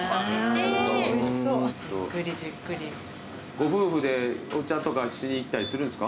ご夫婦でお茶とかしに行ったりするんですか？